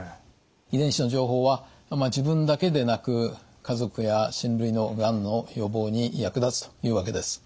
遺伝子の情報は自分だけでなく家族や親類のがんの予防に役立つというわけです。